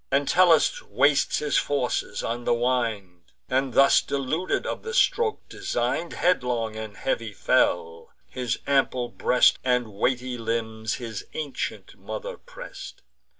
Entellus wastes his forces on the wind, And, thus deluded of the stroke design'd, Headlong and heavy fell; his ample breast And weighty limbs his ancient mother press'd.